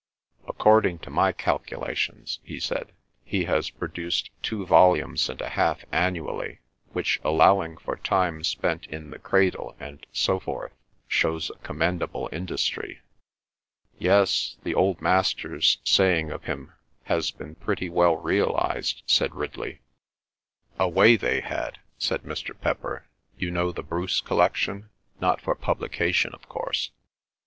"According to my calculations," he said, "he has produced two volumes and a half annually, which, allowing for time spent in the cradle and so forth, shows a commendable industry." "Yes, the old Master's saying of him has been pretty well realised," said Ridley. "A way they had," said Mr. Pepper. "You know the Bruce collection?—not for publication, of course."